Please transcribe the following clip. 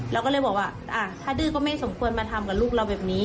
เราก็เลยบอกว่าถ้าดื้อก็ไม่สมควรมาทำกับลูกเราแบบนี้